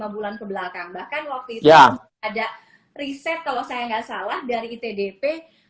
lima bulan kebelakang bahkan waktu itu ada riset kalau saya nggak salah dari itdp